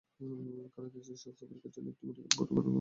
খালেদা জিয়ার স্বাস্থ্য পরীক্ষার জন্য একটি মেডিকেল বোর্ডও গঠন করা হয়।